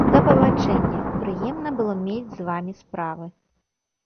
Да пабачэння, прыемна было мець з вамі справы.